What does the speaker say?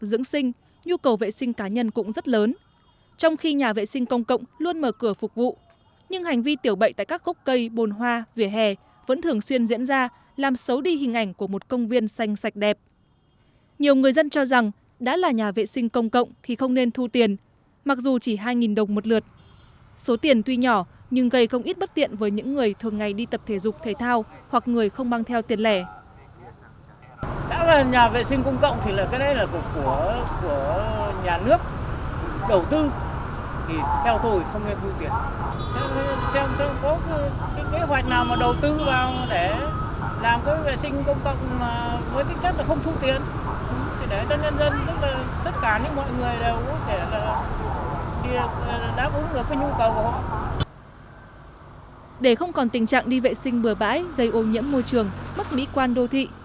để không còn tình trạng đi vệ sinh bừa bãi gây ô nhiễm môi trường mất mỹ quan đô thị